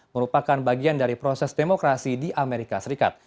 merupakan bagian dari proses demokrasi di amerika serikat